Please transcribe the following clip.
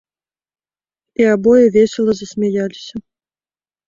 І абое весела засмяяліся.